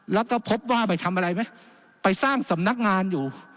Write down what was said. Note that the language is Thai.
แล้วก็พบว่าไปทำอะไรไหมไปสร้างสำนักงานอยู่